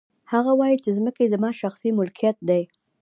هغه وايي چې ځمکې زما شخصي ملکیت دی